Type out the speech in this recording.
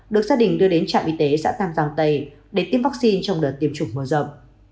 được gia đình đưa đến trạm y tế xã tam giang tây để tiêm vaccine trong đợt tiêm chủng mở rộng